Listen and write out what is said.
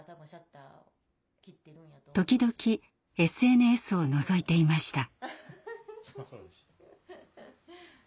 時々ＳＮＳをのぞいていました。